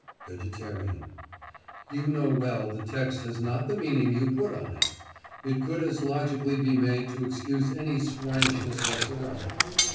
VEGETARIAN: You know well the text has not the meaning you put on it. It could as logically be made to excuse any swinishness whatsoever.